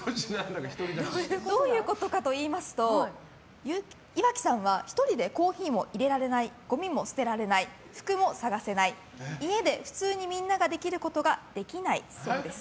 どういうことかといいますと岩城さんは１人でコーヒーもいれられないごみも捨てられない服も探せない家で普通にみんなができることができないそうです。